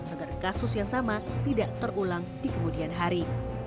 agar kasus yang sama tidak terulang di kemudian hari